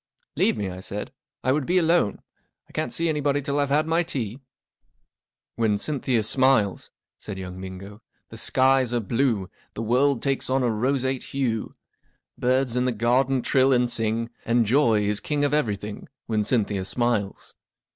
44 Leave me," I said, 4 I would be alone. 1 can't see anybody till I've had my tea." 44 When Cynthia smiles," said young Bingo, 44 the skies are blue ; the world takes on a roseate hue ; birds in the garden trill and sing, and Joy is king of everything, when Cynthia smiles."